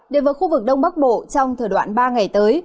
để vào khu vực đông bắc bộ trong thời đoạn ba ngày tới